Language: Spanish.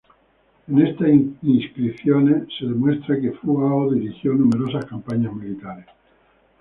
En estas inscripciones se demuestra que Fu Hao dirigió numerosas campañas militares.